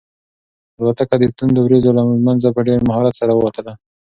الوتکه د توندو وریځو له منځه په ډېر مهارت سره ووتله.